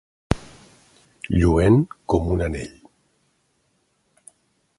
Lluent com un anell.